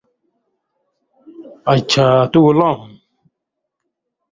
بن٘دؤں مہ دڑی ہوں تھی